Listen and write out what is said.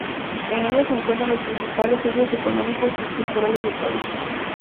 En ella se encuentran los principales centros económicos y culturales del país.